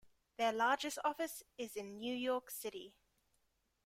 Their largest office is in New York City.